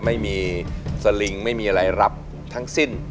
ไม่มีสลิงไม่มีอะไรรับทั้งสิ้น